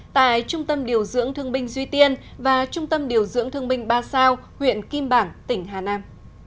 tại trung tâm điều dưỡng thương binh duy tiên và trung tâm điều dưỡng thương binh ba sao huyện kim bảng tỉnh hà nam